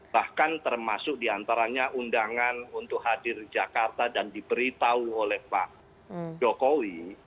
bahkan termasuk diantaranya undangan untuk hadir di jakarta dan diberitahu oleh pak jokowi